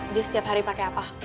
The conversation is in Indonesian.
dia setiap hari pakai apa